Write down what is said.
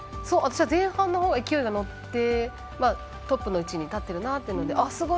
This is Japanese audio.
前半のほうが勢いがトップの位置に立ってるなというのですごい！